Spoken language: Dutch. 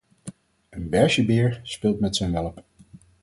Een beige beer speelt met zijn welp.